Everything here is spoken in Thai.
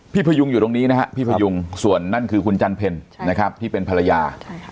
พยุงอยู่ตรงนี้นะฮะพี่พยุงส่วนนั่นคือคุณจันเพ็ญนะครับที่เป็นภรรยา